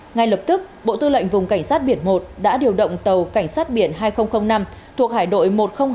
ngay lập tức bộ tư lệnh vùng cảnh sát biển một đã điều động tàu cảnh sát biển hai nghìn năm thuộc hải đội một trăm linh hai